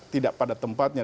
tidak pada tempatnya